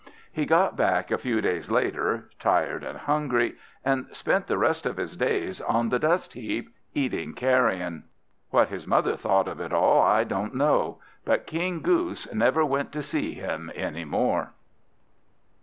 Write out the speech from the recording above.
He got back a few days later, tired and hungry, and spent the rest of his days on the dust heap, eating carrion. What his mother thought of it all I don't know; but King Goose never went to see them any more.